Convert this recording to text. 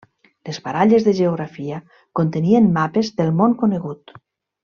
Les baralles de geografia contenien mapes del món conegut.